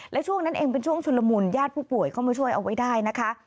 และช่วงนั้นเองเป็นช่วงชุนละมุนญาติผู้ป่วยเข้ามาช่วยเอาไว้ได้นะคะ